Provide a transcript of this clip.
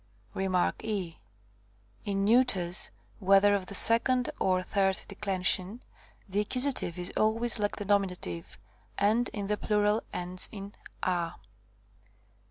Rem. 6. In neuters, whether of the second or third declension, the accusative is always like the nominative and in the plural ends in a.